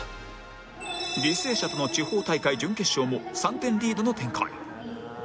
履正社との地方大会準決勝も３点リードの展開